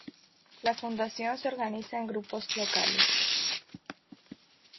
La fundación se organiza en grupos locales.